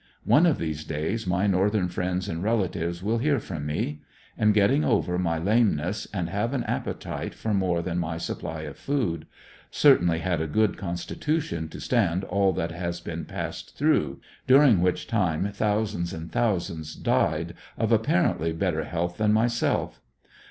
One of these days my Northern friends and relatives will hear from me. Am getting over my lame ness, and have an appetite for more than my supply of food. Cer tainly had a good constitution to stand all that has been passed through, during which time thousands and thousands died, of apparently better health than myself.